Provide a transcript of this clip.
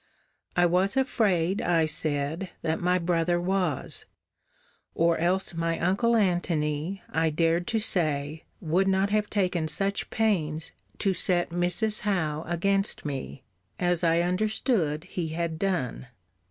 I was afraid, I said, that my brother was: or else my uncle Antony, I dared to say, would not have taken such pains to set Mrs. Howe against me, as I understood he had done.